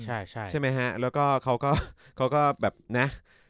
ใช่ไหมฮะแล้วก็เขาก็แบบนะ